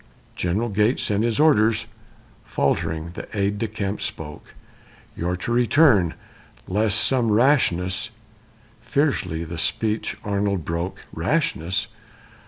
"General Gates sent his orders" faltering the aide de camp spoke "You're to return, lest some rashness " Fiercely the speech Arnold broke: "Rashness!